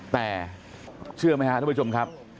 แต่เชื่อไหมครับทุกผู้ชมครับ